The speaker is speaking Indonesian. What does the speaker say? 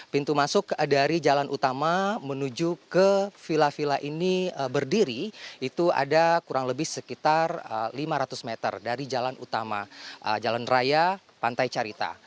pintu masuk dari jalan utama menuju ke villa villa ini berdiri itu ada kurang lebih sekitar lima ratus meter dari jalan utama jalan raya pantai carita